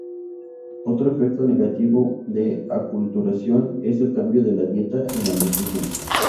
Otro efecto negativo de aculturación es el cambio en la dieta y la nutrición.